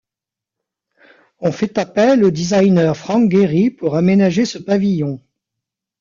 On fait appel au designer Frank Gehry pour aménager ce pavillon.